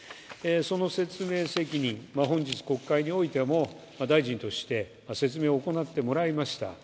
その説明責任、本日国会においても大臣として説明を行ってもらいました。